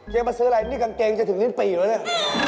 เจ๊มาซื้ออะไรนี่กางเกงจะถึงนิดปีหรือเปล่า